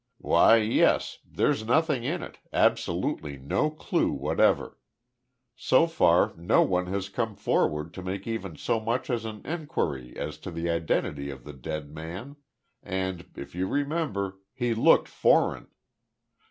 "Why, yes. There's nothing in it, absolutely no clue whatever. So far, no one has come forward to make even so much as an enquiry as to the identity of the dead man, and, if you remember, he looked foreign.